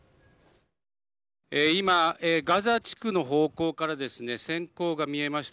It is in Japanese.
今、ガザ地区の方向からせん光が見えました。